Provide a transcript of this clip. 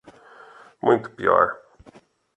Muito pior